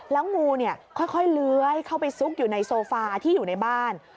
แล้วงูเนี่ยค่อยเลื้อยเข้าไปซุกอยู่ในโซฟาที่อยู่ในบ้าน